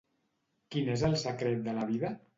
Quin és el secret de la vida?